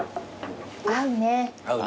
合うね。